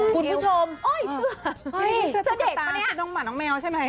คุณผู้ชมเสื้อตังตาที่น้องหมาน้องแมวใช่มั้ย